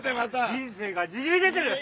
人生がにじみ出てる。